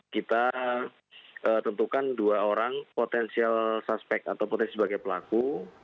kita tentukan dua orang potensial suspek atau potensi sebagai pelaku